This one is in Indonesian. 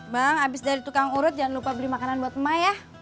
bang abis dari tukang urut jangan lupa beli makanan buat emak ya